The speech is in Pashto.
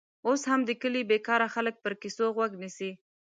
اوس هم د کلي بېکاره خلک پر کیسو غوږ نیسي.